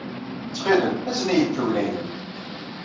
Ttxil-m, azen-iyi-d tugna-nnem.